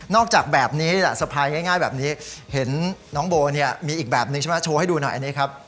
จากแบบนี้สะพายง่ายแบบนี้เห็นน้องโบเนี่ยมีอีกแบบนึงใช่ไหมโชว์ให้ดูหน่อยอันนี้ครับ